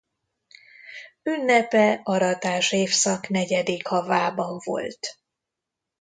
Ünnepe aratás évszak negyedik havában volt.